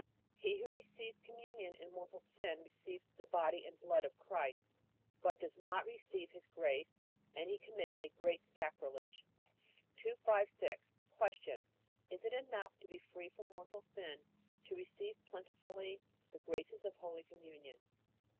He who receives Communion in mortal sin receives the body and blood of Christ, but does not receive His grace, and he commits a great sacrilege. 256. Q. Is it enough to be free from mortal sin to receive plentifully the graces of Holy Communion?